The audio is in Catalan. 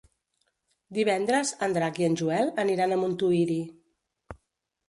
Divendres en Drac i en Joel aniran a Montuïri.